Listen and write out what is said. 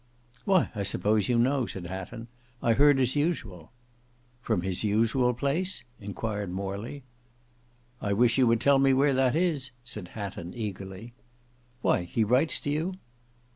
"Why, I suppose you know," said Hatton, "I heard as usual." "From his usual place?" inquired Morley. "I wish you would tell me where that is," said Hatton, eagerly. "Why, he writes to you?"